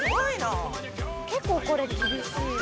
結構これ厳しいよね。